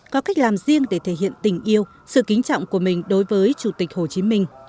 có cách làm riêng để thể hiện tình yêu sự kính trọng của mình đối với chủ tịch hồ chí minh